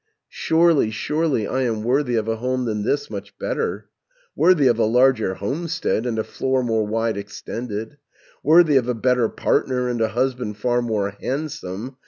"'Surely, surely, I am worthy Of a home than this much better, 670 Worthy of a larger homestead, And a floor more wide extended, Worthy of a better partner, And a husband far more handsome.